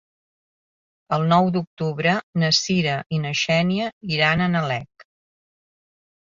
El nou d'octubre na Sira i na Xènia iran a Nalec.